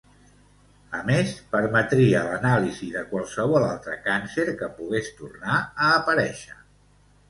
A més, permetria l'anàlisi de qualsevol altre càncer que pogués tornar a aparèixer.